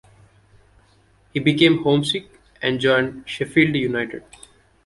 He became homesick and joined Sheffield United.